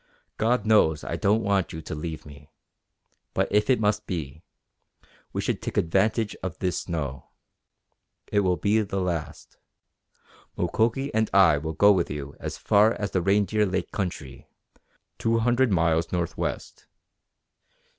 God knows I don't want you to leave me, but if it must be we should take advantage of this snow. It will be the last. Mukoki and I will go with you as far as the Reindeer Lake country, two hundred miles northwest.